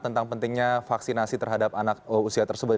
tentang pentingnya vaksinasi terhadap anak usia tersebut